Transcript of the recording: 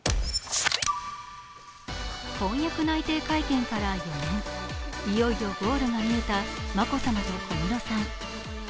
婚約内定会見から４年、いよいよゴールがみえた眞子さまと小室さん。